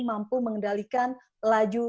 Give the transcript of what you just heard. mampu mengendalikan laju